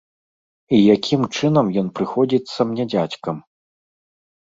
І якім чынам ён прыходзіцца мне дзядзькам?